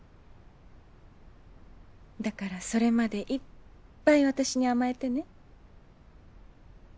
だからそれまでいっぱい私に甘えてね。